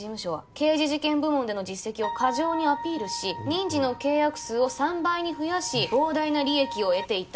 「刑事事件部門での実績を過剰にアピールし」「民事の契約数を３倍に増やし膨大な利益を得ていた」